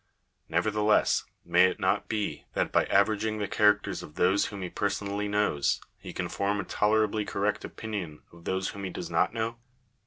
Nevertheless, may it not be that by averaging the characters of those whom he personally knows, he can form a tolerably correct opinion of those whom he does not know